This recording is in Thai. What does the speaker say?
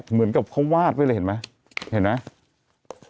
เหมือนกับเขาวาดไว้เลยเห็นไหมเห็นไหม